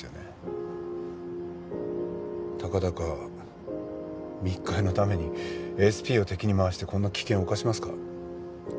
たかだか密会のためにＳＰを敵に回してこんな危険を冒しますか？